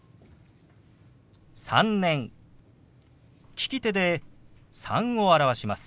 利き手で「３」を表します。